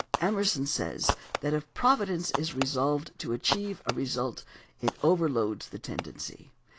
Emerson says that if Providence is resolved to achieve a result it over loads the tendency.